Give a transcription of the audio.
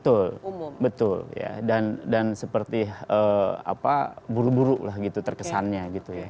betul betul dan seperti buru buru lah terkesannya